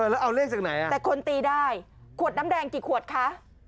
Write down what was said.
แล้วเอาเลขจากไหนแต่คนตีได้ขวดน้ำแดงกี่ขวดคะ